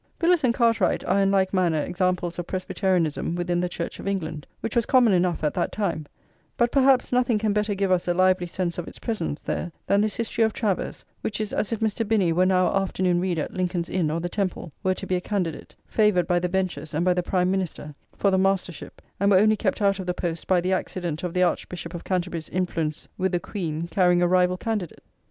Villers and Cartwright are in like manner examples of Presbyterianism within the Church of England, which was common enough at that time; but perhaps nothing can better give us a lively sense of its presence there than this history of Travers, which is as if Mr. Binney were now afternoon reader at Lincoln's Inn or the Temple, were to be a candidate, favoured by the benchers and by the Prime Minister, for the Mastership, and were only kept out of the post by the accident of the Archbishop of Canterbury's influence with the Queen carrying a rival candidate.